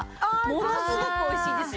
ものすごくおいしいですよ。